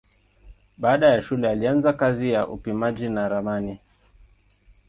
Baada ya shule alianza kazi ya upimaji na ramani.